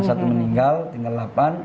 satu meninggal tinggal delapan